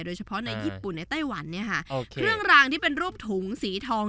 โดยเฉพาะในญี่ปุ่นในไต้หวันเนี่ยค่ะโอเคเครื่องรางที่เป็นรูปถุงสีทอง